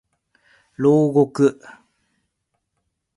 牢獄